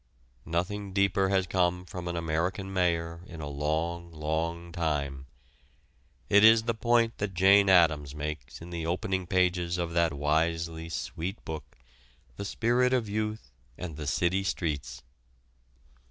Nothing deeper has come from an American mayor in a long, long time. It is the point that Jane Addams makes in the opening pages of that wisely sweet book, "The Spirit of Youth and the City Streets."